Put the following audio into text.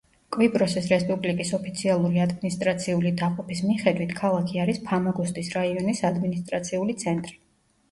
კვიპროსის რესპუბლიკის ოფიციალური ადმინისტრაციული დაყოფის მიხედვით ქალაქი არის ფამაგუსტის რაიონის ადმინისტრაციული ცენტრი.